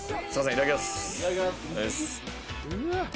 いただきます。